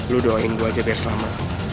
lo doain gue aja biar selama